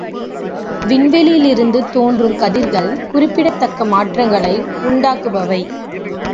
விண்வெளியிலிருந்து தோன்றுங் கதிர்கள் குறிப்பிடத் தக்க மாற்றங்களை உண்டாக்குபவை.